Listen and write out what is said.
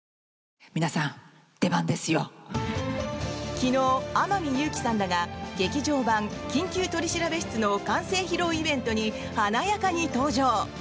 昨日、天海祐希さんらが劇場版「緊急取調室」の完成披露イベントに華やかに登場！